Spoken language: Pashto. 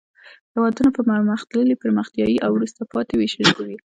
هېوادونه په پرمختللي، پرمختیایي او وروسته پاتې ویشل شوي.